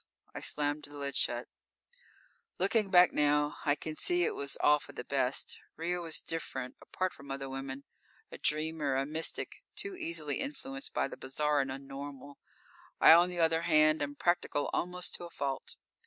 I slammed the lid shut. Looking back now, I can see it was all for the best. Ria was different apart from other women. A dreamer, a mystic, too easily influenced by the bizarre and un normal. I, on the other hand, am practical almost to a fault.